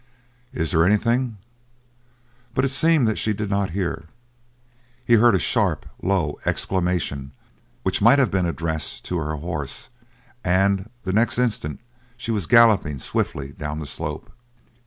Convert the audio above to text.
Is there anything " But it seemed that she did not hear. He heard a sharp, low exclamation which might have been addressed to her horse, and the next instant she was galloping swiftly down the slope.